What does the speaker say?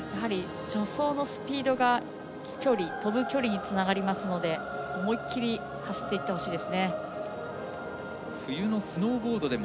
やはり助走のスピードが跳ぶ距離につながりますので思い切り走っていってほしいです。